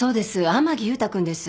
天樹勇太君です。